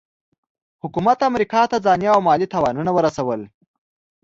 حکومت امریکا ته ځاني او مالي تاوانونه ورسول.